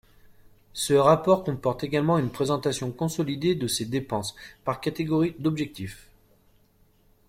Ce rapport comporte également une présentation consolidée de ces dépenses par catégories d’objectifs.